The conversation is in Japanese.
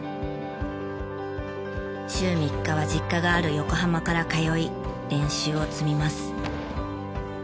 週３日は実家がある横浜から通い練習を積みます。